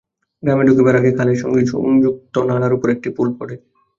গ্রামে ঢুকিবার আগে খালের সঙ্গে সংযুক্ত নালার উপর একটি পুল পড়ে।